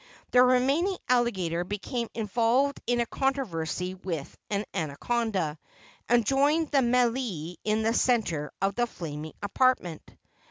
The remaining alligator became involved in a controversy with an anaconda, and joined the melee in the centre of the flaming apartment.